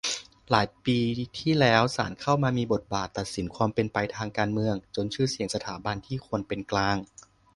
หลายปีที่แล้ว ศาลเข้ามามีบทบาทตัดสินความเป็นไปทางการเมือง จนชื่อเสียงสถาบันที่ควรเป็นกลาง